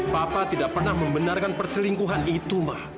papa tidak pernah membenarkan perselingkuhan itu mah